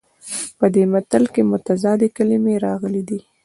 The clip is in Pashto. په دې متل کې متضادې کلمې راغلي دي